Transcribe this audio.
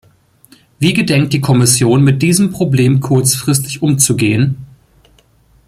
Wie gedenkt die Kommission, mit diesem Problem kurzfristig umzugehen?